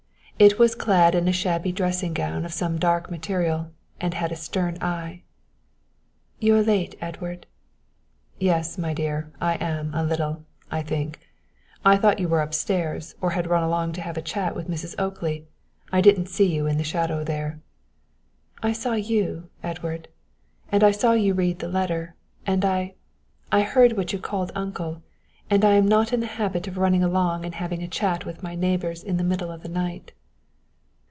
It was clad in a shabby dressing gown of some dark material and it had a stern eye. "You're late, Edward." "Yes, my dear, I am a little, I think. I thought you were up stairs or had run along to have a chat with Mrs. Oakley. I didn't see you in the shadow there." "I saw you, Edward, and I saw you read the letter, and I I heard what you called uncle, and I am not in the habit of running along and having a chat with my neighbours in the middle of the night."